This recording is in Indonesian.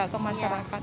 ya ke masyarakat